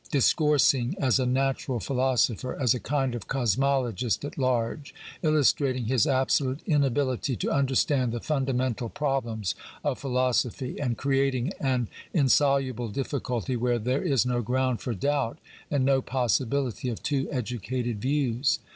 discoursing as a natural philo sopher, as a kind of cosmologist at large, illustrating his absolute inability to understand the fundamental problems of philosophy and creating an insoluble difficulty where there is no ground for doubt and no possibihty of two educated views.